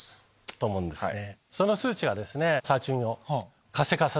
その数値はですね。